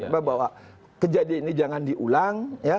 bahwa kejadian ini jangan diulang